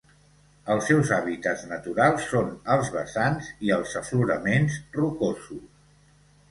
Els seus hàbitats naturals són els vessants i els afloraments rocosos.